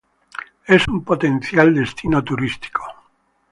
Es un potencial destino turístico.